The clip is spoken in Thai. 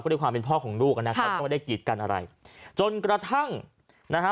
ด้วยความเป็นพ่อของลูกนะครับก็ไม่ได้กีดกันอะไรจนกระทั่งนะฮะ